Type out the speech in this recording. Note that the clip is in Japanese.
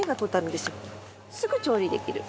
すぐ調理できる。